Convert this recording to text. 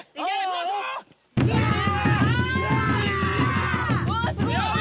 うあ！わすごい。